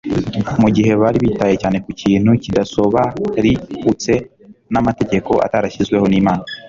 mu gihe bari bitaye cyane ku kintu kidasobariutse n'amategeko atarashyizweho n'Imana.